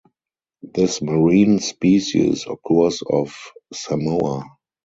This marine species occurs off Samoa.